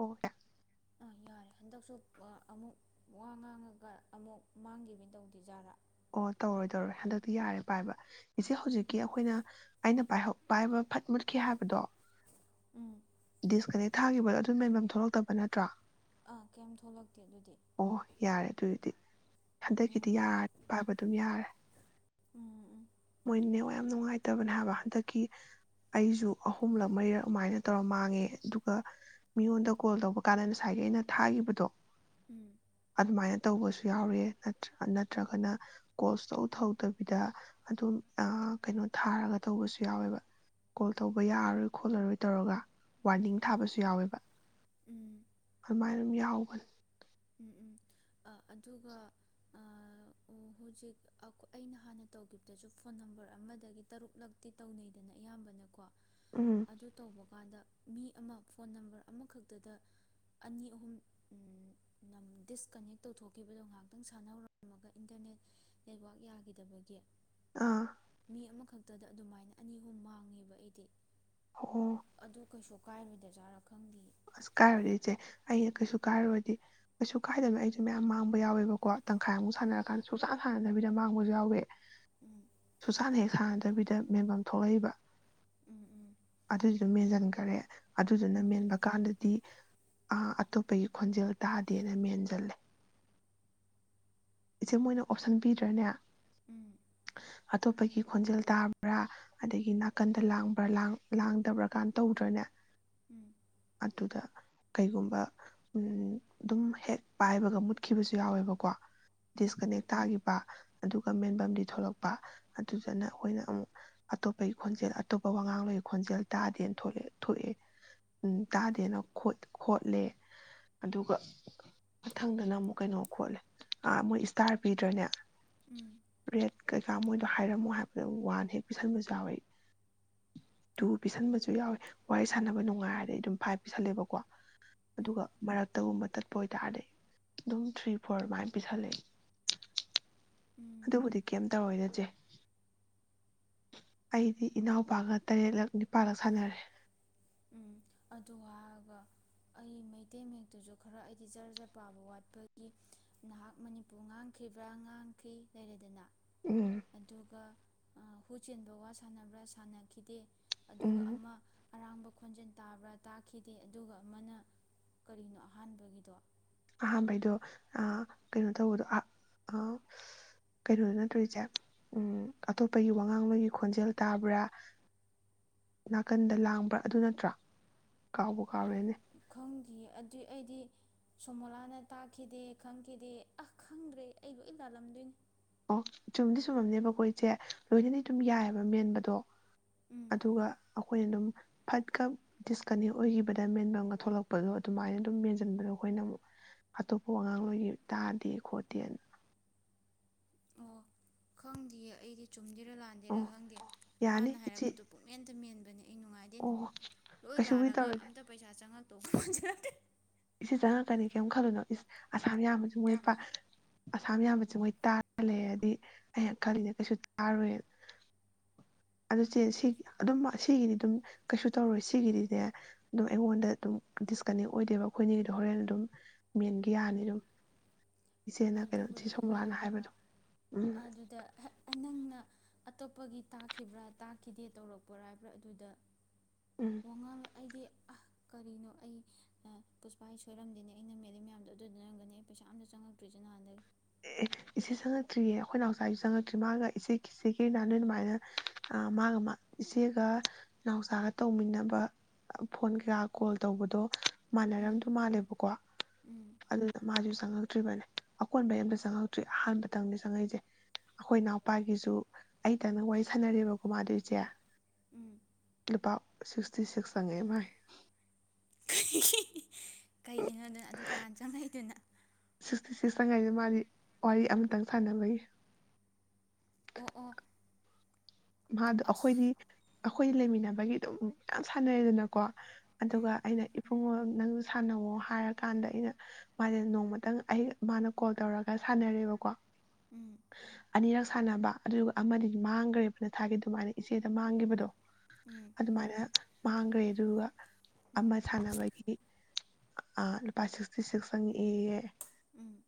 ꯑꯣꯠ ꯑꯥ ꯌꯥꯔꯦ ꯍꯟꯗꯛꯁꯨ ꯑꯃꯨꯛ ꯋꯥ ꯉꯥꯡꯉꯒ ꯑꯃꯨꯛ ꯃꯥꯡꯈꯤꯕꯅ ꯇꯧꯗꯦꯖꯥꯠꯔꯥ ꯑꯣ ꯇꯧꯔꯣꯏ ꯇꯧꯔꯣꯏ ꯍꯟꯗꯛꯇꯤ ꯌꯥꯔꯦ ꯄꯥꯏꯕ ꯏꯆꯦ ꯎꯝ ꯍꯧꯖꯤꯛꯀꯤ ꯑꯩꯈꯣꯏꯅ ꯑꯩꯅ ꯄꯥꯏꯕ ꯐꯠ ꯃꯨꯠꯈꯤ ꯍꯥꯏꯕꯗꯣ ꯎꯝ ꯗꯤꯁꯀꯅꯦꯛ ꯊꯥꯈꯤꯕꯗꯣ ꯑꯗꯨꯝ ꯃꯦꯟꯐꯝ ꯊꯣꯛꯂꯛꯇꯕ ꯅꯠꯇ꯭ꯔꯥ ꯑꯥ ꯀꯩꯝ ꯊꯣꯛꯂꯛꯇꯦ ꯑꯗꯨꯗꯤ ꯑꯣ ꯌꯥꯔꯦ ꯑꯗꯨꯏꯗꯤ ꯍꯟꯗꯛꯀꯤꯗꯤ ꯎꯝ ꯌꯥꯔ ꯄꯥꯕ ꯑꯗꯨꯝ ꯌꯥꯔꯦ ꯎꯝ ꯎꯝ ꯃꯣꯏꯅꯦ ꯌꯥꯝ ꯅꯨꯡꯉꯥꯏꯇꯕꯅꯦ ꯍꯥꯏꯕ ꯍꯟꯗꯛꯀꯤ ꯑꯩꯁꯨ ꯑꯍꯨꯝꯂꯛ ꯃꯔꯤꯔꯛ ꯑꯗꯨꯃꯥꯏꯅ ꯇꯧꯔ ꯃꯥꯡꯉꯦ ꯑꯗꯨꯒ ꯃꯤꯉꯣꯟꯗ ꯀꯣꯜ ꯇꯧꯕ ꯀꯥꯟꯗ ꯉꯁꯥꯏꯒꯤ ꯑꯩꯅ ꯊꯥꯈꯤꯕꯗꯣ ꯎꯝ ꯑꯗꯨꯃꯥꯏꯅ ꯇꯧꯕꯁꯨ ꯌꯥꯎꯔꯤ꯭ꯔ ꯅꯠꯇ꯭ꯔꯒꯅ ꯀꯣꯁꯇꯧ ꯊꯧꯗꯕꯤꯗ ꯑꯗꯨꯝ ꯀꯩꯅꯣ ꯊꯥꯔꯒ ꯇꯧꯕꯁꯨ ꯌꯥꯎꯋꯦꯕ ꯀꯣꯜ ꯇꯧꯕ ꯌꯥꯔꯔꯣꯏ ꯈꯣꯠꯂꯔꯣꯏ ꯇꯧꯔꯒ ꯋꯥꯔꯅꯤꯡ ꯊꯥꯕꯁꯨ ꯌꯥꯎꯋꯦꯕ ꯎꯝ ꯐꯃꯥꯏ ꯑꯗꯨꯝ ꯌꯥꯎꯕ ꯎꯝ ꯎꯝ ꯑꯗꯨꯒ ꯍꯧꯖꯤꯛ ꯑꯩꯅ ꯍꯥꯟꯅ ꯇꯧꯈꯤꯕꯗꯁꯨ ꯐꯣꯟ ꯅꯝꯕꯔ ꯑꯃꯗꯒꯤ ꯇꯔꯨꯛꯂꯛꯇꯤ ꯇꯧꯅꯩꯗꯅ ꯑꯌꯥꯝꯕꯅꯀꯣ ꯎꯝ ꯑꯗꯨ ꯇꯧꯕ ꯀꯥꯟꯗ ꯃꯤ ꯑꯃ ꯐꯣꯟ ꯅꯝꯕꯔ ꯑꯃꯈꯛꯇꯗ ꯑꯅꯤ ꯑꯍꯨꯝ ꯗꯤꯁꯀꯅꯦꯛ ꯇꯧꯊꯣꯛꯈꯤꯕꯗꯣ ꯉꯥꯏꯍꯥꯛꯇꯪ ꯁꯥꯟꯅꯔꯝꯃꯒ ꯏꯟꯇꯔꯅꯦꯠ ꯅꯦꯠꯋꯥꯛ ꯌꯥꯈꯤꯗꯕꯒꯤ ꯑꯥ ꯃꯤꯅꯤ ꯑꯃꯈꯛꯇꯗ ꯑꯗꯨꯃꯥꯏꯅ ꯑꯅꯤ ꯑꯍꯨꯝ ꯃꯥꯡꯉꯦꯕ ꯑꯩꯗꯤ ꯑꯣ ꯑꯗꯨ ꯀꯩꯁꯨ ꯑꯀꯥꯏꯕꯤꯗ ꯆꯥꯔꯥ ꯈꯪꯗꯦ ꯑꯁ ꯀꯥꯏꯔꯨꯔꯗꯤ ꯏꯆꯦ ꯑꯩꯅ ꯀꯩꯁꯨ ꯀꯥꯏꯔꯨꯔꯗꯤ ꯀꯩꯁꯨ ꯀꯥꯏꯗꯅ ꯑꯩꯁꯨ ꯃꯌꯥꯝ ꯃꯥꯡꯕ ꯌꯥꯎꯋꯦꯕꯀꯣ ꯎꯝ ꯇꯪꯈꯥꯏꯨꯛꯥꯟꯅꯔꯀꯥꯟꯗꯁꯨꯖꯥꯅ ꯁꯥꯟꯅꯕꯤꯗ ꯃꯥꯡꯕꯁꯨ ꯌꯥꯎꯋꯦ ꯎꯝ ꯁꯁꯥꯟꯗ ꯍ ꯁꯥꯟꯗ ꯆꯠꯇꯕꯤꯗ ꯃꯦꯟꯐꯝ ꯊꯣꯛꯂꯛꯏꯕ ꯎꯝ ꯑꯇꯩ ꯑꯗꯨꯝꯖ ꯏꯔꯦ ꯑꯗꯨꯗꯨꯅ ꯎꯝ ꯃꯦꯟꯕ ꯑꯗꯨꯗꯤ ꯑꯇꯣꯞꯄꯒꯤ ꯈꯣꯟꯖꯦꯜ ꯇꯥꯗꯦꯅ ꯃꯦꯟꯁꯤꯜꯂꯦ ꯏꯆꯦ ꯃꯣꯏꯅ ꯑꯣꯞꯁꯟ ꯄꯤꯗ꯭ꯔꯅꯦ ꯎꯝ ꯑꯇꯣꯞꯄꯒꯤ ꯈꯣꯟꯖꯦꯜ ꯇꯥꯕ꯭ꯔꯥ ꯑꯗꯒꯤ ꯅꯥꯀꯟꯗ ꯂꯥꯡꯕ꯭ꯔꯥ ꯂꯥꯡꯗꯕ꯭ꯔꯥ ꯀꯥꯟ ꯇꯧꯗ꯭ꯔꯅꯦ ꯎꯝ ꯑꯗꯨꯗ ꯀꯩꯒꯨꯝꯕ ꯎ ꯑꯗꯨꯝ ꯍꯦꯛ ꯄꯥꯏꯕꯒ ꯃꯨꯠꯈꯤꯕꯁꯨ ꯌꯥꯎꯋꯦꯕꯀꯣ ꯎꯝ ꯎꯝ ꯗꯤꯁꯀꯅꯦꯛ ꯇꯈꯤꯕ ꯑꯗꯨꯒ ꯃꯦꯟꯐꯝꯗꯤ ꯊꯣꯛꯂꯛꯄ ꯑꯗꯨꯗꯅ ꯑꯩꯈꯣꯏꯅ ꯑꯃꯨꯛ ꯑꯇꯣꯞꯄꯒꯤ ꯈꯣꯟꯖꯦꯜ ꯑꯇꯣꯞꯄ ꯋꯥꯉꯥꯡꯕ ꯈꯣꯟꯖꯦꯜ ꯇꯥꯗꯦꯅ ꯊꯣꯛꯑꯦ ꯎ ꯇꯥꯗꯦꯅ ꯈꯣꯠꯂꯦ ꯑꯗꯨꯒ ꯃꯊꯪꯗꯅ ꯑꯃꯨꯛ ꯀꯩꯅꯣ ꯈꯣꯠꯂꯦ꯫ ꯑꯥ ꯃꯣꯏ ꯏꯁꯇꯥꯔ ꯄꯤꯗ꯭ꯔꯅꯦ ꯎꯝ ꯔꯦꯠ ꯀꯩꯀꯥ ꯃꯣꯏꯗꯣ ꯍꯥꯏꯔꯝꯃꯣ ꯍꯥꯏꯕꯗ ꯋꯥꯟ ꯍꯦꯛ ꯄꯤꯁꯟꯕꯁꯨ ꯌꯥꯎꯋꯤ ꯇꯨ ꯄꯤꯁꯟꯕꯁꯨ ꯌꯥꯎꯋꯏ ꯋꯥꯔꯤ ꯁꯥꯟꯅꯕ ꯅꯨꯡꯉꯥꯏꯔꯗꯤ ꯑꯗꯨꯝ ꯐꯥꯏꯚ ꯄꯤꯁꯜꯂꯦꯕꯀꯣ꯫ ꯑꯗꯨꯒ ꯎꯝ ꯎꯝ ꯃꯔꯛꯇꯒꯨꯝꯕ ꯇꯠꯄ ꯑꯣꯏꯇꯥꯔꯗꯤ ꯑꯗꯨꯝ ꯊ꯭ꯔꯤ ꯐꯣꯔ ꯑꯗꯨꯃꯥꯏ ꯄꯤꯁꯜꯂꯦ ꯎꯝ ꯑꯗꯨꯕꯨꯗꯤ ꯀꯩꯝꯇꯧꯔꯣꯏꯗ ꯆꯦ ꯑꯩꯗꯤ ꯏꯅꯥꯎꯄꯥꯒ ꯇꯔꯦꯠꯂꯛ ꯅꯤꯄꯥꯒ ꯁꯥꯟꯅꯔꯦ ꯎꯝ ꯑꯗꯨ ꯍꯥꯏꯒ ꯑꯩ ꯃꯩꯇꯩ ꯃꯛꯇꯨꯁꯨ ꯈꯔ ꯑꯩꯗꯤ ꯖꯔ ꯖꯔ ꯄꯥꯕ ꯋꯥꯠꯄꯒꯤ ꯅꯍꯥꯛ ꯃꯅꯤꯄꯨꯔ ꯉꯥꯡꯈꯤꯕ꯭ꯔꯥ ꯉꯥꯡꯈꯤ ꯂꯩꯔꯦꯗꯅ꯫ ꯎꯝ ꯑꯗꯨꯒ ꯍꯨ ꯆꯦꯟꯕ ꯋꯥ ꯁꯥꯟꯅꯕ꯭ꯔꯥ ꯁꯥꯟꯅꯈꯤꯗꯦ ꯑꯗꯨꯒ ꯎꯝ ꯑꯃ ꯑꯔꯥꯡꯕ ꯈꯣꯟꯖꯦꯜ ꯇꯥꯕ꯭ꯔꯥ ꯇꯥꯈꯤꯗꯦ ꯑꯗꯨꯒ ꯑꯃꯅ ꯀꯔꯤꯅꯣ ꯑꯍꯥꯟꯕꯒꯤꯗꯣ ꯑꯍꯥꯟꯕꯩꯗꯣ ꯑꯥ ꯀꯩꯅꯣ ꯇꯧꯕꯗꯣ ꯀꯩꯅꯣ ꯅꯠꯇꯔꯣ ꯏꯆꯦ ꯑꯇꯣꯞꯄꯒꯤ ꯋꯥꯉꯥꯡꯕꯒꯤ ꯈꯣꯟꯖꯦꯜ ꯇꯥꯕ꯭ꯔꯥ ꯅꯥꯀꯟꯗ ꯂꯥꯡꯕ꯭ꯔꯥ ꯑꯗꯨ ꯅꯠꯇ꯭ꯔꯣ ꯀꯥꯎꯕꯨ ꯀꯥꯎꯔꯦꯅꯦ ꯈꯪꯗꯤꯌꯦ ꯑꯗꯨꯏ ꯑꯩꯗꯤ ꯁꯣꯃꯣꯂꯥꯅ ꯇꯥꯛꯈꯤꯗꯦ ꯈꯪꯈꯤꯗꯦ ꯑꯥ ꯈꯪꯗ꯭ꯔꯦ ꯑꯩ ꯂꯣꯏ ꯂꯥꯜꯂꯝꯗꯣꯏꯅꯤ꯫ ꯑꯣ ꯆꯨꯝꯗꯤ ꯁꯨꯝꯃꯝꯅꯦꯕꯀꯣ ꯏꯆꯦ ꯂꯣꯏꯅꯅ ꯑꯗꯨꯝ ꯌꯥꯏꯑꯕ ꯃꯦꯟꯕꯗꯣ ꯎꯝ ꯑꯗꯨꯒ ꯑꯩꯈꯣꯏꯅ ꯑꯗꯨꯝ ꯐꯠꯀ ꯗꯤꯁꯀꯅꯦꯛ ꯑꯣꯏꯈꯤꯕꯗ ꯃꯦꯟꯕꯒ ꯊꯣꯛꯂꯛꯄꯗꯣ ꯑꯗꯨꯃꯥꯏꯅ ꯑꯗꯨꯝ ꯃꯦꯟꯁꯤꯟꯕꯗꯣ ꯑꯩꯈꯣꯏꯅ ꯑꯃꯨꯛ ꯑꯇꯣꯞꯄ ꯋꯥꯉꯥꯡꯂꯣꯏꯒꯤ ꯇꯥꯗꯦ ꯈꯣꯠꯇꯦꯅ ꯑꯣ ꯈꯪꯗꯦꯌꯦ ꯑꯩꯗꯤ ꯆꯨꯝꯒꯔꯥ ꯂꯥꯟꯒꯦꯔꯥ ꯑꯣ ꯈꯪꯗꯦ ꯌꯥꯅꯤ ꯃꯥꯅ ꯏꯆꯦ ꯍꯥꯏꯔꯛꯄꯗꯣ ꯄꯨꯛꯃꯦꯟꯇ ꯃꯦꯟꯕꯅꯦ ꯑꯩ ꯅꯨꯡꯉꯥꯏꯗꯣꯏꯅꯦ ꯑꯣ ꯂꯣꯏ ꯀꯩꯁꯨꯕꯨꯗꯤ ꯂꯥꯜꯂꯒ ꯇꯧꯔꯣꯏꯗ ꯑꯝꯇ ꯄꯩꯁꯥ ꯆꯪꯉꯛ꯫ [unintelligible] ꯏꯆꯦ ꯆꯪꯉꯛꯀꯅꯤ ꯀꯩꯔꯝ ꯈꯜꯂꯨꯅꯣ ꯌꯥꯝꯕꯁꯨ ꯃꯣꯏ ꯄ ꯑꯁꯥꯝ ꯌꯥꯝꯕꯁꯦ ꯃꯣꯏ ꯇꯥꯔ ꯂꯩꯔꯗꯤ ꯑꯩ ꯈꯜꯂꯤꯅꯦ ꯀꯩꯁꯨ ꯇꯥꯔꯣꯏꯅ꯫ ꯑꯗꯨꯆꯦ ꯁꯤ ꯑꯗꯨꯝ ꯑꯁꯤꯒꯤꯗꯤ ꯑꯗꯨꯝ ꯀꯩꯁꯨ ꯇꯧꯔꯣꯏ ꯁꯤꯒꯤꯗꯤꯅꯦ ꯑꯗꯨꯝ ꯑꯩꯉꯣꯟꯗ ꯑꯗꯨꯝ ꯗꯤꯁꯀꯅꯦꯛ ꯑꯣꯏꯗꯦꯕ ꯑꯩꯈꯣꯏꯅꯤꯒꯤꯗꯤ ꯍꯣꯔꯦꯟ ꯑꯗꯨꯝ ꯃꯦꯟꯒꯤ ꯌꯥꯅꯤ ꯑꯗꯨꯝ ꯏꯆꯦꯅ ꯀꯩꯅꯣ ꯏꯆꯦ ꯑꯗꯨꯕꯨꯗꯤ ꯁꯣꯝꯂꯥꯅ ꯌꯥꯏꯑꯕ ꯍꯥꯏꯕꯗꯣ ꯎꯝ ꯑꯗꯨꯗ ꯅꯪꯅ ꯑꯇꯣꯞꯄꯒꯤ ꯇꯥꯈꯤꯕ꯭ꯔꯥ ꯇꯥꯈꯤꯗꯦ ꯇꯧꯔꯛꯄ꯭ꯔꯥ ꯍꯥꯏꯕ꯭ꯔꯥ ꯑꯗꯨꯗ ꯎꯝ ꯋꯥꯉꯥꯜ ꯑꯩꯗꯤ ꯀꯔꯤꯅꯣ ꯑꯩ ꯄꯨꯁꯄꯥ ꯑꯩ ꯁꯣꯏꯔꯝꯗꯣꯏꯅꯦ ꯑꯩꯅ ꯃꯦꯜꯂꯤ ꯃꯌꯥꯝꯗꯣ ꯑꯗꯨꯗ ꯑꯣꯏꯔꯝꯒꯅꯤ ꯑꯩ ꯄꯩꯁꯥ ꯑꯝꯇ ꯆꯪꯉꯛ꯫ ꯇꯔꯤꯁꯦ ꯅꯍꯟꯗꯩ꯫ ꯑꯦ ꯏꯆꯦ ꯆꯪꯉꯛꯇ꯭ꯔꯤꯌꯦ ꯑꯩꯈꯣꯏ ꯅꯥꯎꯆꯥꯁꯨ ꯆꯪꯉꯛꯇ꯭ꯔꯤ ꯃꯥꯒ ꯏꯆꯦ ꯆꯦꯒꯤ ꯅꯥꯟ ꯅꯣꯏ ꯑꯗꯨꯃꯥꯏꯅ ꯃꯥꯒ ꯏꯆꯦꯒ ꯅꯥꯎꯆꯥꯒ ꯇꯧꯃꯤꯟꯅꯕ ꯐꯣꯟ ꯀꯩꯀꯥ ꯀꯣꯜꯇꯧꯕꯗꯣ꯫ ꯎꯝ ꯃꯥꯟꯅꯔꯝꯗ ꯃꯥꯜꯂꯦꯕꯀꯣ ꯎꯝ ꯑꯗꯨꯅ ꯃꯥꯁꯨ ꯆꯪꯉꯛ ꯆꯪꯉꯛꯇꯔꯤ ꯕꯅꯦ ꯑꯀꯣꯟꯕ ꯑꯝꯇ ꯆꯪꯉꯛꯇ꯭ꯔꯤ ꯑꯍꯥꯟꯕꯗꯪꯅꯦ ꯆꯪꯉꯛꯏꯁꯦ ꯑꯩꯈꯣꯏ ꯏꯅꯥꯎꯄꯥꯒꯤꯁꯨ ꯑꯩꯇꯪ ꯋꯥꯔꯤ ꯁꯥꯟꯅꯔꯦꯕꯀꯣ ꯃꯥꯗꯣ ꯏꯆꯦ꯫ [inaudible] ꯂꯨꯄꯥ ꯁꯤꯛꯇꯤꯁꯤꯛ ꯆꯪꯉꯛꯑꯦ ꯃꯥꯏ꯫ ꯀꯩꯒꯤꯅꯣ ꯑꯥꯗꯨꯀꯥꯟ ꯆꯉꯥꯀꯦꯗꯨꯟ ꯁꯤꯛꯁꯇꯤ ꯁꯤꯛꯁꯇꯉꯩꯗ ꯃꯥꯒꯤ ꯋꯥꯔꯤ ꯑꯃꯇꯪ ꯁꯥꯟꯅꯕꯒꯤ ꯑꯣ ꯑꯣ ꯃꯥꯗꯣ ꯑꯁ ꯑꯩꯈꯣꯏꯒꯤ ꯑꯩꯈꯣꯏ ꯂꯩꯃꯤꯟꯅꯕꯒꯤ ꯑꯗꯨꯝ ꯌꯥꯝ ꯁꯥꯟꯅꯔꯦꯗꯅꯀꯣ ꯎꯝ ꯑꯗꯨꯒ ꯑꯩꯅ ꯏꯕꯨꯉꯣ ꯅꯪ ꯁꯥꯟꯅꯑꯣ ꯍꯥꯏꯔꯀꯥꯟꯗ ꯑꯩꯅ ꯃꯥꯁꯦ ꯅꯣꯡꯃꯇꯪ ꯑꯩ ꯃꯥꯅ ꯀꯣꯜ ꯇꯧꯔꯒ ꯁꯥꯟꯅꯔꯦꯕꯀꯣ ꯎꯝ ꯑꯅꯤꯔꯛ ꯁꯥꯟꯅꯕ ꯑꯗꯨꯒ ꯑꯃꯗꯤ ꯃꯥꯡꯈ꯭ꯔꯦꯕ ꯊꯥꯈꯤ ꯑꯗꯨꯃꯥꯏꯅ ꯏꯆꯦꯗ ꯎꯝ ꯃꯥꯡꯈꯤꯕꯗꯣ ꯎꯝ ꯑꯗꯨꯃꯥꯏꯅ ꯃꯥꯥꯡꯒ꯭ꯔꯦ ꯑꯗꯨꯒꯕ ꯎꯝ ꯑꯃ ꯁꯥꯟꯅꯕꯒꯤ ꯑ ꯂꯨꯄꯥ ꯁꯤꯛꯁꯇꯤ ꯁꯤꯛꯁ ꯇꯪꯑꯦꯌꯦ ꯎꯝ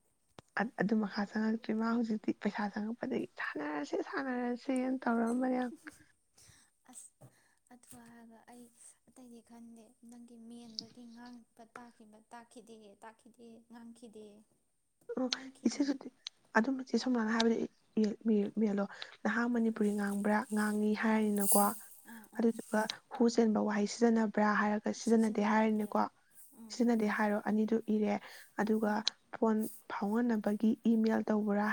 ꯑꯗꯨ ꯃꯈꯥ ꯆꯪꯉꯛꯇ꯭ꯔꯤ ꯃꯥ ꯍꯧꯖꯤꯛꯇꯤ ꯄꯩꯁꯥ ꯆꯪꯉꯛꯄꯗꯒꯤ ꯁꯥꯟꯅꯔꯁꯦ ꯁꯥꯟꯅꯔꯁꯦ ꯑꯁ ꯑꯗꯨ ꯍꯥꯏꯔꯒ ꯑꯩ ꯑꯇꯩꯗꯤ ꯈꯟꯗꯦ ꯅꯪꯒꯤ ꯃꯦꯟꯕꯒꯤ ꯉꯥꯡꯕ ꯇꯥꯛꯈꯤꯕ ꯇꯥꯛꯈꯤꯗꯦ ꯇꯥꯛꯈꯤꯗꯦ ꯉꯥꯡꯈꯤꯗꯦ ꯑꯣ ꯉꯥꯡꯈꯤꯗꯦ ꯏꯆꯦꯁꯨ ꯑꯗꯨꯝꯕ ꯁꯝꯅ ꯍꯥꯏꯅ ꯍꯥꯏꯕꯗ ꯌꯦꯜꯂꯣ ꯅꯍꯥꯟ ꯃꯅꯤꯄꯨꯔꯤ ꯉꯥꯡꯕ꯭ꯔꯥ ꯉꯥꯡꯉꯤ ꯉꯥꯡ ꯍꯥꯏꯔꯅꯤꯅꯀꯣ ꯑꯥ ꯑꯥ ꯑꯥ ꯑꯗꯨꯗꯨꯒ ꯍꯨ ꯆꯦꯟꯕ ꯋꯥꯍꯩꯁ ꯆꯅꯞ ꯭ꯔꯥ ꯍꯥꯏꯔꯒ ꯁꯤꯖꯤꯟꯅꯗꯦ ꯁꯤꯖꯤꯟꯅꯈꯤꯗꯦ ꯍꯥꯏꯔꯤꯅꯦꯀꯣ ꯎꯝ ꯁꯤꯖꯤꯟꯅꯗꯦ ꯍꯥꯏꯔꯣ ꯑꯅꯤꯗꯨ ꯏꯔꯦ ꯑꯗꯨꯒ ꯎꯝ ꯐꯣꯟ ꯍꯧꯥꯎꯍꯟꯅꯕꯒꯤ ꯏꯃꯦꯜ ꯇꯧꯕ꯭ꯔꯥ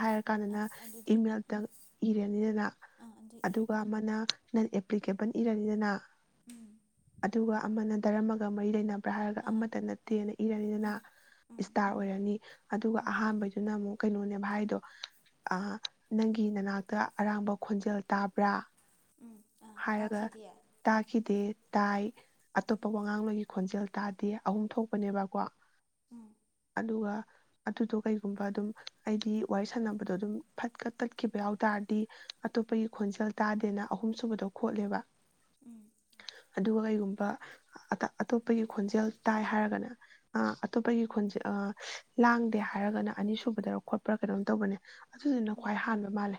ꯑꯥ ꯍꯥꯏꯔꯀꯥꯟꯗꯅ ꯑꯗꯨꯗꯤ ꯏꯃꯦꯜꯇꯪ ꯏꯔꯅꯤꯗꯅ ꯑꯥ ꯑꯗꯨ ꯏ ꯑꯗꯨꯒ ꯑꯃꯅ ꯅꯪ ꯑꯦꯄ꯭ꯂꯤꯀꯦꯕꯜ ꯏꯔꯅꯤꯗꯅ ꯎꯝ ꯑꯗꯨꯒ ꯑꯃꯅ ꯇꯔꯝꯒ ꯃꯔꯤ ꯂꯩꯅꯕ ꯭ꯔꯥ ꯍꯥꯏꯔꯒ ꯑꯥ ꯑꯃꯇ ꯅꯠꯇꯦꯅ ꯏꯔꯅꯤꯗꯅ ꯑꯥ ꯎꯝ ꯏꯁꯇꯥꯔ ꯑꯣꯏꯔꯅꯤ ꯑꯗꯨꯒ ꯎꯝ ꯑꯍꯥꯟꯕꯩꯗꯨꯅ ꯑꯃꯨꯛ ꯀꯩꯅꯣꯅꯦꯕ ꯍꯥꯏꯗꯣ ꯅꯪꯒꯤ ꯅꯅꯥꯛꯇ ꯑꯔꯥꯡꯕ ꯈꯣꯟꯖꯦꯜ ꯇꯥꯕ꯭ꯔꯥ ꯎꯝ ꯑꯥ ꯍꯥꯏꯔꯒ ꯇꯥꯈꯤꯗꯦ ꯇꯥꯈꯤꯗꯦ ꯇꯥꯏ ꯑꯇꯣꯞꯄ ꯋꯥꯉꯥꯡꯒꯤ ꯈꯣꯟꯖꯦꯜ ꯇꯥꯗꯦ ꯑꯍꯨꯝ ꯊꯣꯛꯄꯅꯦꯕꯀꯣ ꯎꯝ ꯑꯗꯨꯒ ꯑꯗꯨꯗꯣ ꯀꯩꯒꯨꯝꯕ ꯑꯗꯨꯝ ꯑꯩꯗꯤ ꯋꯥꯔꯤ ꯁꯥꯟꯅꯕꯗꯣ ꯑꯗꯨꯝ ꯐꯠꯀ ꯇꯠꯈꯤꯕ ꯌꯥꯎ ꯇꯥꯔꯗꯤ ꯑꯇꯣꯞꯄꯒꯤ ꯈꯣꯟꯖꯦꯜ ꯇꯥꯗꯦꯅ ꯑꯍꯨꯝ ꯁꯨꯕꯗꯣ ꯈꯣꯠꯂꯦꯕ ꯎꯝ ꯑꯗꯨꯒ ꯀꯩꯒꯨꯝ ꯑꯇꯣꯞꯄꯒꯤ ꯈꯣꯟꯖꯦꯜ ꯇꯥꯏ ꯍꯥꯏꯔꯒꯅ ꯑ ꯑꯇꯣꯞꯄꯒꯤ ꯈꯣꯟꯖꯦꯜ ꯑ ꯂꯥꯡꯗꯦ ꯍꯥꯏꯔꯒꯅ ꯑꯅꯤꯁꯨꯕꯗ ꯈꯣꯠꯄ꯭ꯔꯥ ꯀꯩꯅꯣꯝ ꯇꯧꯕꯅꯦ ꯑꯗꯨꯗꯨꯅ ꯎꯝ ꯈ꯭ꯋꯥꯏ ꯍꯥꯟꯕ ꯃꯥꯜꯂꯦ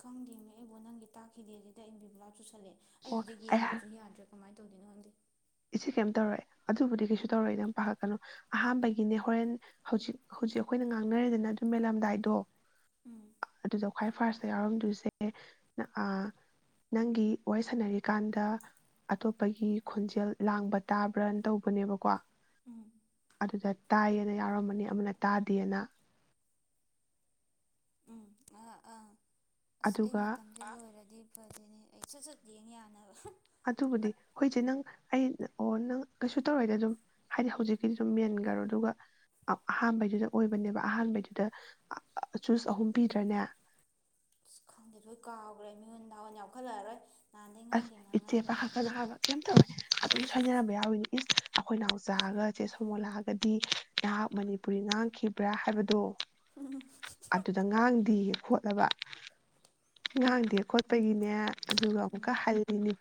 ꯈꯪꯗꯦꯅꯦ ꯑꯩꯕꯨ ꯅꯪꯒꯤ ꯇꯥꯈꯤꯗꯦ ꯑꯗꯨꯗ ꯏꯟꯕꯤꯕꯨ ꯜꯂꯛꯦ ꯑꯩ ꯑꯣ ꯍꯧꯖꯤꯛ ꯌꯦꯡꯕꯁꯨ ꯌꯥꯗ꯭ꯔꯦ ꯀꯃꯥꯏꯅ ꯅꯤꯅ ꯍꯗꯤ ꯏꯦ ꯀꯩꯝ ꯇꯧꯔꯛꯑꯦ ꯑꯗꯨꯕꯨꯗꯤ ꯀꯩꯁꯨ ꯇꯧꯔꯛꯏ ꯑꯗꯨꯝ ꯄꯥꯈꯠꯀꯅꯨ ꯑꯍꯥꯟꯕꯒꯤꯅꯦ ꯍꯣꯔꯦꯟ ꯍꯧꯖꯤꯛ ꯍꯧꯖꯤꯛ ꯑꯩꯈꯣꯏꯅ ꯉꯥꯡꯅꯔꯤꯦꯗꯅ ꯑꯗꯨꯝ ꯃꯦꯜꯂꯝꯗꯥꯏꯗꯣ ꯎꯝ ꯑꯗꯨ ꯆ ꯈ꯭ꯋꯥꯏ ꯐꯥꯔꯁꯇ ꯌꯥꯎꯔꯝꯗꯣꯏꯁꯦ ꯅꯪꯒꯤ ꯋꯥꯔꯤ ꯁꯥꯟꯅꯔꯤꯀꯥꯟꯗ ꯑꯇꯣꯞꯄꯒꯤ ꯈꯣꯟꯖꯦꯜ ꯂꯥꯡꯕ ꯇꯥꯕ꯭ꯔꯅ ꯇꯧꯕꯅꯦꯕꯀꯣ ꯎꯝ ꯑꯗꯨꯗ ꯇꯥꯏꯌꯦꯅ ꯌꯥꯎꯔꯝꯕꯅꯤ ꯑꯃꯅ ꯇꯥꯗꯦꯅ ꯎꯝ ꯑ ꯑꯥ ꯑꯁ ꯑꯩ ꯑꯗꯨꯒ ꯃꯇꯝ ꯆꯥ ꯑꯣꯏꯔꯗꯤ ꯐ ꯑꯗꯨꯅꯦ ꯑꯩ ꯁꯠ ꯁꯠ ꯌꯦꯡ ꯌꯥꯅꯕ ꯑꯗꯨꯕꯨꯗꯤ ꯑꯩꯣꯏꯁꯦ ꯅꯪ ꯑꯩ ꯑꯣ ꯅꯪ ꯀꯩꯁꯨ ꯇꯧꯔꯣꯏꯗꯤ ꯑꯗꯨꯝ ꯍꯥꯏꯗꯤ ꯍꯧꯖꯤꯛꯀꯤꯗꯤ ꯑꯗꯨꯝ ꯃꯦꯟꯈꯔꯣ ꯑꯗꯨꯒ ꯑꯍꯥꯟꯕꯩꯗꯨꯗ ꯑꯣꯏꯕꯅꯦꯕ ꯑꯍꯥꯟꯕꯩꯗꯨꯗ ꯆꯨꯁ ꯑꯍꯨꯝ ꯄꯤꯗ꯭ꯔꯅꯦ ꯑ ꯈꯪꯗꯦ ꯂꯣꯏ ꯀꯥꯎꯈ꯭ꯔꯦ ꯃꯤꯉꯣꯟ ꯗꯥꯛꯣꯟ ꯌꯥꯝꯈꯠꯂꯛꯑꯔꯣꯏ ꯅ ꯑꯁ ꯏꯆꯦ ꯄꯈꯛꯀꯅ ꯍꯥꯏꯕ ꯀꯩꯝ ꯇꯧꯋꯦ ꯑꯗꯨꯝ ꯁꯣꯏꯅꯔꯝꯕ ꯌꯥꯎꯋꯤꯅꯦ ꯏꯁ ꯑꯩꯈꯣꯏ ꯅꯥꯎꯆꯥꯒꯁꯦ ꯁꯣ ꯃꯣ ꯂꯥꯛꯑꯒꯗꯤ ꯉ ꯅꯍꯥꯛ ꯃꯅꯤꯄꯨꯔꯤ ꯉꯥꯡꯈꯤꯕ꯭ꯔꯥ ꯍꯥꯏꯕꯗꯣ ꯑꯗꯨꯗ ꯉꯥꯡꯗꯤ ꯍꯣꯠꯅꯕ ꯎꯝ ꯉꯥꯡꯗꯦ ꯈꯣꯠꯄꯒꯤꯅꯦ ꯑꯗꯨꯒ ꯎꯝ ꯅꯤ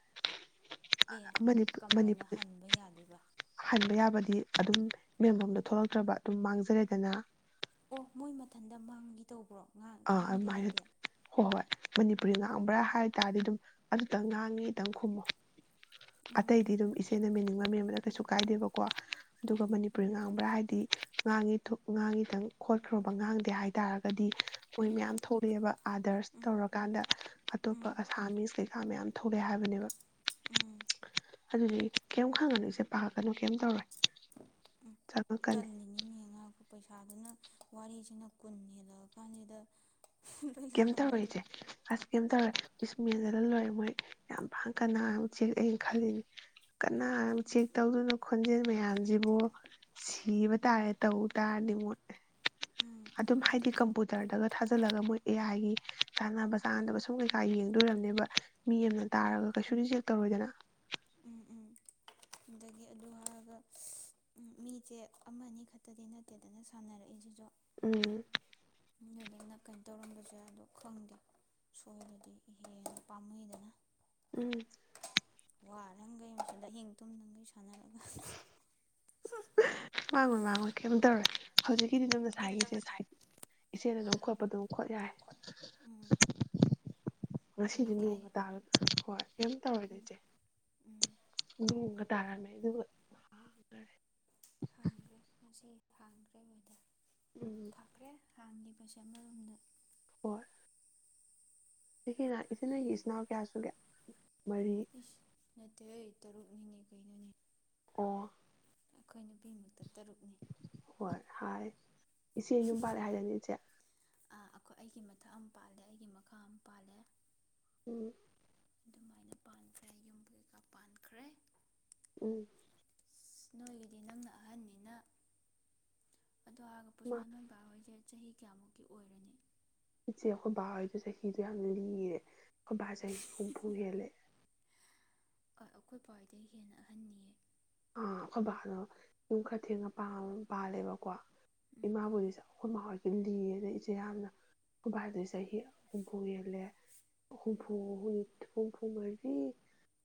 ꯑꯦ ꯀꯃꯥꯏꯅ ꯍꯟꯕ ꯌꯥꯗꯕ ꯍꯟꯕ ꯌꯥꯕꯗꯤ ꯑꯗꯨꯝ ꯃꯦꯟꯐꯝꯗ ꯊꯣꯛꯂꯛꯇ꯭ꯔꯕ ꯑꯗꯨꯝ ꯃꯥꯡꯖꯔꯦꯗꯅ ꯑꯣ ꯃꯣꯏ ꯃꯊꯟꯇ ꯃꯥꯡꯈꯤ ꯇꯧꯕ꯭ꯔꯣ ꯑꯥ ꯉꯥꯡꯗꯦ ꯑꯗꯨꯥꯏꯅ ꯍꯥꯏꯗꯤ ꯍꯣꯏ ꯍꯣꯏ ꯃꯅꯤꯄꯨꯔꯤ ꯉꯥꯡꯕ꯭ꯔꯥ ꯍꯥꯏ ꯇꯔꯗꯤ ꯑꯗꯨꯝ ꯑꯗꯨꯇꯪ ꯉꯥꯡꯉꯤꯇꯪ ꯈꯨꯝꯃꯣ ꯎꯝ ꯑꯇꯩꯗꯤ ꯑꯗꯨꯝ ꯏꯦ ꯅꯃꯤꯟꯅ ꯉꯝ ꯑꯃꯗ ꯀꯩꯁꯨ ꯀꯥꯏꯗꯦꯕ ꯀꯣ ꯎꯝ ꯑꯗꯨꯒ ꯃꯅꯤꯄꯨꯔꯤ ꯉꯥꯡꯕ꯭ꯔꯥ ꯍꯥꯏꯗꯤ ꯍꯥꯏꯗꯤ ꯉꯥꯡꯉꯤ ꯉꯥꯡꯉꯤꯗꯪ ꯈꯣꯠꯈ꯭ꯔꯣꯕ ꯉꯥꯡꯗꯦ ꯍꯥꯏꯇꯥꯥꯔꯒꯗꯤ ꯃꯣꯏ ꯎꯝ ꯃꯌꯥꯝ ꯊꯣꯛꯂꯑꯦꯕ ꯑꯥꯗꯔꯁ ꯇꯧꯔꯀꯥꯟꯗ ꯎꯝ ꯑꯇꯣꯞꯄ ꯑꯁꯥꯃꯤꯁ ꯀꯩ ꯆꯥ ꯃꯌꯥꯝ ꯊꯣꯛꯂꯦ ꯍꯥꯏꯕꯅꯦꯕ꯫ ꯎꯝ꯫ ꯑꯗꯨꯗꯤ ꯀꯩꯝ ꯈꯪꯉꯅꯨ ꯏꯁꯦ ꯄꯥꯈꯛꯀꯅꯨ ꯀꯩꯝ ꯇꯧꯔꯣꯏ꯫ ꯆꯪꯉꯛꯀꯅꯤ ꯇꯜꯅꯤꯅꯤꯅꯦꯉ ꯄꯩꯁꯥꯗꯨꯅ ꯋꯥꯔꯤꯁꯤꯅ ꯀꯨꯟ ꯍꯦꯜꯂꯛꯑ ꯀꯥꯟꯁꯤꯗ ꯀꯝ ꯇꯧꯔꯦ ꯏꯆꯦ ꯑꯁ ꯀꯝ ꯇꯧꯔꯣꯏ ꯏꯁ ꯃꯦꯟꯖꯍꯜ ꯂꯣꯏꯔꯦ ꯃꯣꯏ ꯌꯥꯝ ꯐꯥꯡ ꯀꯅꯥ ꯑꯃꯨꯛ ꯆꯦꯛꯂꯦꯅ ꯈꯜꯂꯤꯅꯤ ꯀꯅꯥ ꯑꯃꯨ ꯆꯦꯛ ꯇꯧꯗꯅꯣ ꯈꯣꯟꯖꯦꯜ ꯃꯌꯥꯝꯁꯤꯕꯨ ꯁꯤꯕ ꯇꯥꯔꯦ ꯇꯧ ꯇꯥꯔꯗꯤ ꯃꯣꯏ ꯎꯝ ꯑꯗꯨꯝ ꯍꯥꯏꯗꯤ ꯑꯗꯨꯒ ꯀꯝꯄꯨꯇꯔꯗꯒ ꯊꯥꯖꯤꯜꯂꯒ ꯃꯣꯏ ꯑꯦ ꯑꯥꯏꯒꯤ ꯆꯥꯅꯕ - ꯆꯥꯅꯕ ꯁꯨꯝ ꯀꯩꯀꯥ ꯌꯦꯡꯗꯣꯏꯔꯝꯅꯦꯕ꯫ ꯃꯤ ꯑꯃꯅ ꯎꯝ ꯇꯥꯔꯒ ꯀꯩꯁꯨꯗꯤ ꯇꯧꯔꯣꯏꯗꯅ ꯎꯝ ꯎꯝ ꯑꯗꯒꯤ ꯑꯗꯨ ꯍꯥꯏꯔꯒ ꯎꯝ ꯃꯤꯁꯦ ꯑꯃꯅꯤ ꯈꯛꯇꯗꯤ ꯅꯠꯇꯦꯗꯅ ꯁꯥꯟꯅꯔꯛꯏꯁꯤꯁꯨ ꯎꯝ꯫ ꯑꯗꯨꯗꯨ ꯅꯥ ꯀꯩꯅꯣ ꯇꯧꯔꯝꯕꯁꯦ ꯑꯗꯣ ꯈꯪꯗꯦ ꯁꯣꯏꯗꯗꯤ ꯏꯍꯦꯅ ꯄꯥꯝꯅꯩꯗꯅ ꯫ ꯎꯝ꯫ ꯋꯥ [unintelligible] ꯑꯍꯤꯡ ꯇꯨꯝꯗꯪ ꯒꯩ ꯁꯅꯔꯒ ꯃꯥꯡꯉ ꯃꯥꯡꯉꯣꯏ ꯀꯩꯝ ꯇꯧꯔꯦ ꯍꯧꯖꯤꯛꯀꯤꯗꯤ ꯑꯗꯨ ꯉꯁꯥꯏꯒꯤꯁꯦ ꯁꯥꯏ ꯏꯆꯦꯅ ꯍꯥ ꯑꯗꯨꯝ ꯈꯣꯠꯄ ꯑꯗꯨꯝ ꯈꯣꯠ ꯌꯥꯏ꯫ ꯇꯧꯈꯠ ꯎꯝ ꯉꯁꯤꯗꯤ ꯌꯦꯡꯒꯦ ꯅꯣꯡꯒ ꯑꯩ ꯇꯥꯒꯗꯅ ꯍꯣꯏ ꯀꯩꯝ ꯇꯧꯔꯣꯌꯗ ꯎꯝ ꯏꯆꯦ꯫ ꯎꯝ ꯇꯥꯔꯃꯦ ꯑꯗꯨꯒꯥ ꯍꯪꯒꯔꯦ꯫ ꯍꯥꯡꯈ꯭ꯔꯦ ꯉꯁꯤ ꯍꯥꯡꯈ꯭ꯔꯦ ꯃꯣꯏꯗ ꯎꯝ꯫ ꯍꯥꯟꯒꯤ ꯄꯁꯦ ꯑꯃꯔꯣꯝꯗ ꯍꯣꯏ꯫ ꯁꯤꯅ ꯏꯆꯦ ꯑꯩꯒꯤ ꯏꯆꯤꯟ ꯏꯅꯥꯎ ꯀꯌꯥ ꯁꯨꯒꯦ? ꯃꯔꯤ ꯏꯁ ꯅꯠ ꯇꯦꯍꯦ! ꯇꯔꯨꯛꯅꯤꯅꯦ ꯀꯩꯅꯣꯅꯦ ꯫ ꯑꯣ꯫ ꯈꯣꯏꯅ ꯅꯨꯄꯤ ꯃꯛꯇ ꯇꯔꯨꯛꯅꯤ꯫ ꯍꯣꯏ ꯍꯥꯏ ꯏꯆꯦ ꯌꯨꯝ ꯄꯜꯂꯦ ꯍꯥꯏ ꯗꯥꯌꯅꯦ ꯏꯆꯦ? ꯑꯥ ꯑꯩꯈꯣꯏ ꯑꯩꯒꯤ ꯃꯊꯛ ꯑꯃ ꯄꯥꯜꯂꯦ ꯑꯩꯒꯤ ꯃꯈꯥ ꯑꯃ ꯄꯥꯜꯂꯦ ꯎꯝ꯫ ꯑꯗꯨꯃꯥꯏꯅ ꯄꯥꯟꯈ꯭ꯔꯦ ꯌꯨꯝ ꯀꯩꯀꯥ ꯄꯥꯟꯈ꯭ꯔꯦ꯫ ꯎꯝ꯫ ꯅꯣꯏꯒꯤꯗꯤ ꯅꯪꯅ ꯑꯍꯟꯅꯤꯅ ꯑꯗꯣ ꯍꯔꯒ ꯃꯥ ꯄꯨꯁꯄꯥ ꯅꯣꯏꯕꯥꯥ ꯍꯣꯏꯁꯦ ꯆꯍꯤ ꯀꯌꯥꯃꯨꯛꯀꯤ ꯑꯣꯏꯔꯅꯤ? ꯏꯆ ꯑꯩꯈꯣꯏ ꯍꯗꯨ ꯆ ꯍꯗꯨ ꯌꯥꯝ ꯂꯤꯔꯦ ꯑꯩꯈꯣꯏ ꯁꯦ ꯍ ꯍꯨꯝꯄꯨ ꯍꯦꯂꯦ ꯑꯩꯈꯣꯏ ꯄ꯭ꯋꯥꯏꯗꯒꯤ ꯍꯦꯟꯅ ꯑꯍꯟꯅꯤꯌꯦ ꯑꯥ ꯑꯩꯈꯣꯏ ꯕꯥꯗꯣ ꯌꯨꯝ ꯈꯔ ꯊꯦꯡꯉ ꯄꯥꯜꯂꯦꯕꯀꯣ ꯎꯝ ꯏꯃꯥꯕꯨꯗꯤ ꯆ ꯑꯩꯈꯣꯏ ꯃꯈ ꯂꯤꯌꯦꯗ ꯏꯆꯦ ꯌꯥꯝꯅ ꯑꯈꯣꯏ ꯕꯥꯗꯤ ꯆꯍꯤ ꯍꯨꯝꯐꯨ ꯍꯦꯜꯂꯦ ꯍꯨꯝꯐꯨ ꯍꯨꯝꯐꯨ ꯃꯔꯤ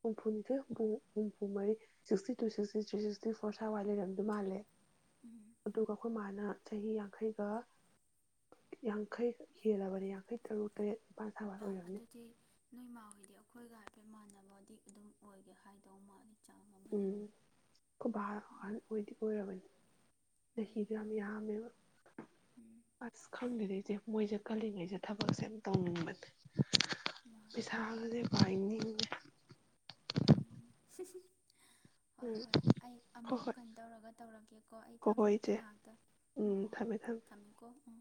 ꯍꯨꯝꯐꯨꯅꯤꯊꯣꯏ ꯍꯨꯝꯐꯨ ꯍꯨꯝꯐꯨ ꯃꯔꯤ sixty two sixty three sixty four ꯁꯋꯥꯏ ꯂꯩꯔꯝꯗꯧ ꯃꯥꯜꯂꯦ ꯎꯝ ꯑꯗꯨꯒ ꯑꯈꯣꯏ ꯃꯥ ꯅ ꯆꯍꯤ ꯌꯥꯡꯈꯩꯒ ꯌꯥꯡꯈꯩ ꯍꯦꯜꯂꯕꯅꯤ ꯌꯥꯡꯈꯩ ꯇꯔꯨꯛ ꯇꯔꯦꯠ ꯅꯤꯄꯥꯜ ꯁꯋꯥꯏ ꯑ ꯑꯣꯏꯔꯝꯅꯤ ꯑꯗꯨꯗꯤ ꯅꯣꯏ ꯃꯥ ꯍꯣꯏꯗꯤ ꯑꯩꯈꯣꯏꯒ ꯍꯥꯏꯐꯦꯠ ꯃꯥꯟꯅꯕꯗꯤ ꯑꯗꯨꯝ ꯑꯣꯏꯒꯦ ꯍꯥꯏꯗꯧ ꯃꯥꯜꯂꯤ ꯆꯥ ꯎꯝ ꯈꯨꯕꯥ ꯑꯍꯜ ꯑꯣꯏꯗꯤ ꯑꯣꯏꯔꯕꯅꯤ ꯎꯝ ꯆꯍꯤꯗꯣ ꯌꯥꯝ ꯌꯥꯝꯃꯦꯕ ꯎꯝ ꯑꯁ ꯈꯪꯗꯦꯗ ꯏꯆꯦ ꯃꯣꯏꯁꯦ ꯀꯜꯂꯤꯉꯩꯁꯦ ꯊꯕꯛꯁꯦ ꯌꯥꯝ ꯇꯧꯅꯤꯡꯕꯅꯦ ꯃꯥ ꯄꯩꯁꯥꯒꯁꯦ ꯄꯥꯏꯅꯤꯡꯉꯦ [unintelligible] ꯍꯣꯏ ꯎꯝ ꯍꯣꯏ ꯑꯩ ꯍꯣꯏ ꯑꯃꯨꯛ ꯍꯣꯏ ꯀꯩꯅꯣ ꯇꯧꯔꯒ ꯇꯧꯔꯛꯀꯦꯀꯣ ꯑꯩ ꯍꯣꯏ ꯍꯣꯏ ꯊꯝꯒꯤꯒꯦ ꯏꯆꯦ ꯉꯥꯏꯍꯥꯛꯇ ꯎꯝ ꯎꯝ ꯎꯝ ꯊꯝꯃꯦ ꯊꯝꯃꯦ ꯊꯝꯃꯦꯀꯣ ꯎꯝ